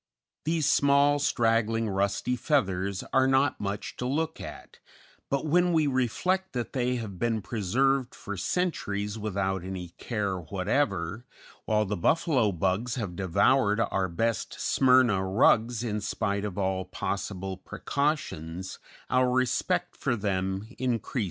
These small, straggling, rusty feathers are not much to look at, but when we reflect that they have been preserved for centuries without any care whatever, while the buffalo bugs have devoured our best Smyrna rugs in spite of all possible precautions, our respect for them increases.